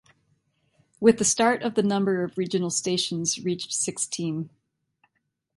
With the start of the number of regional stations reached sixteen.